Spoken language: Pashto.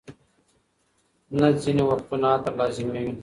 نه، ځینې وختونه عطر لازمي وي.